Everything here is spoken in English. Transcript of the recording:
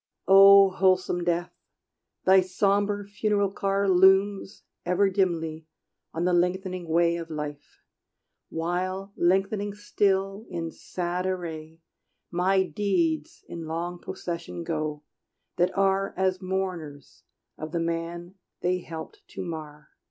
O Wholesome Death, thy sombre funeral car Looms ever dimly on the lengthening way Of life; while, lengthening still, in sad array, My deeds in long procession go, that are As mourners of the man they helped to mar.